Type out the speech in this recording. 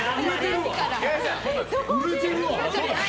売れてるわ！